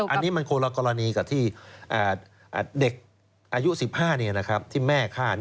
อันนี้มันคนละกรณีกับที่เด็กอายุ๑๕เนี่ยนะครับที่แม่ฆ่า